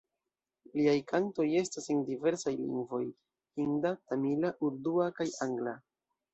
Liaj kantoj estas en diversaj lingvoj: hinda, tamila, urdua kaj angla.